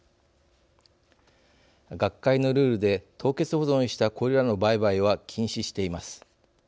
学会のルールで凍結保存したこれらの売買は禁止しています。